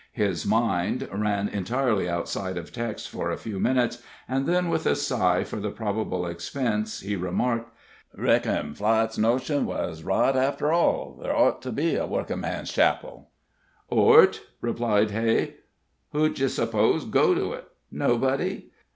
His mind ran entirely outside of texts for a few minutes, and then, with a sigh for the probable expense, he remarked: "Reckon Flite's notion was right, after all ther' ort to be a workin' man's chapel." "Ort?" responded Hay; "who d'ye s'pose'd go to it? Nobody?